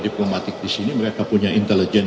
diplomatik disini mereka punya intelijen